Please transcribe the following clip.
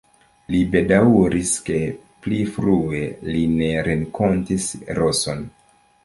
Li bedaŭris, ke pli frue li ne renkontis Roson.